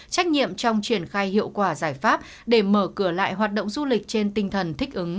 trách nhiệm trong triển khai hiệu quả giải pháp để mở cửa lại hoạt động du lịch trên tinh thần thích ứng